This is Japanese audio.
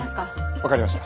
分かりました。